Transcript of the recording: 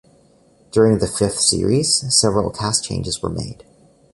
During the fifth series, several cast changes were made.